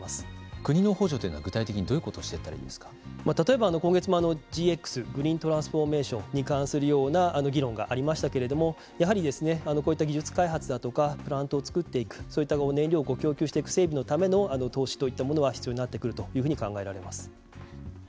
国の補助というのは具体的にどういうことを例えば、今月もＧＸ＝グリーントランスフォーメーションに関するような議論がありましたけれどもやはりこういった技術開発だとかプラントをつくっていくそういった燃料を供給していくための整備への投資といったものは必要になってくるというふうに考えられます。